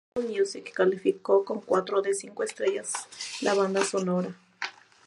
Allmusic calificó con cuatro de cinco estrellas la banda sonora.